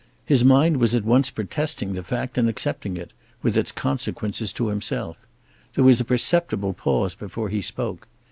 His mind was at once protesting the fact and accepting it, with its consequences to himself. There was a perceptible pause before he spoke.